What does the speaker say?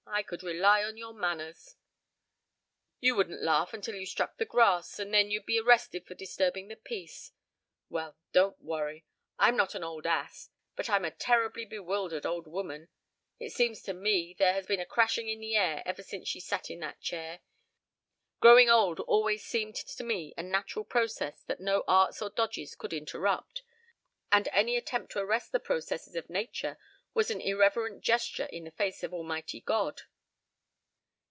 I could rely on your manners. You wouldn't laugh until you struck the grass and then you'd be arrested for disturbing the peace. Well don't worry. I'm not an old ass. But I'm a terribly bewildered old woman. It seems to me there has been a crashing in the air ever since she sat in that chair. ... Growing old always seemed to me a natural process that no arts or dodges could interrupt, and any attempt to arrest the processes of nature was an irreverent gesture in the face of Almighty God.